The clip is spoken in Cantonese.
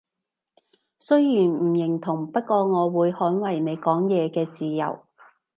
雖然唔認同，不過我會捍衛你講嘢嘅自由